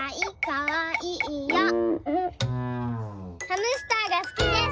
ハムスターがすきです。